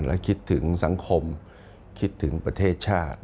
และคิดถึงสังคมคิดถึงประเทศชาติ